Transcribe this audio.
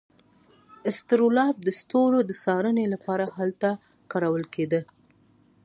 اسټرولاب د ستورو د څارنې لپاره هلته کارول کیده.